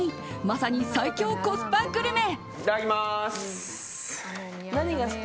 まさに最強コスパグルメ！